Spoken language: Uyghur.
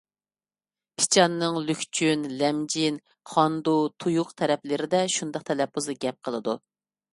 پىچاننىڭ لۈكچۈن، لەمجىن، خاندۇ، تۇيۇق تەرەپلىرىدە شۇنداق تەلەپپۇزدا گەپ قىلىدۇ.